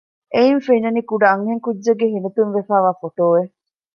އެއިން ފެންނަނީ ކުޑަ އަންހެންކުއްޖެއްގެ ހިނިތުންވެފައިވާ ފޮޓޯއެއް